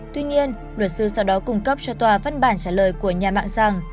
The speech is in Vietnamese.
tuy nhiên luật sư sau đó cung cấp cho tòa văn bản trả lời của nhà mạng rằng